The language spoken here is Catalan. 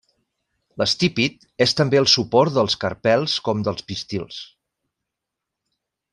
L'estípit és també el suport dels carpels com dels pistils.